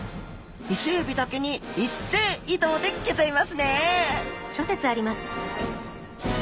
イセエビだけに一斉移動でギョざいますね！